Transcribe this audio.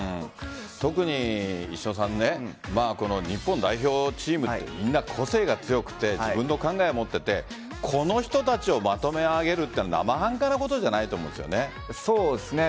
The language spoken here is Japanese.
特に石戸さん日本代表チームはみんな個性が強くて自分の考えを持っていてこの人たちをまとめ上げるというのは生半可なことじゃないとそうですね。